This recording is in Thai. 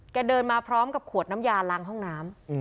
เดินมาพร้อมกับขวดน้ำยาล้างห้องน้ำ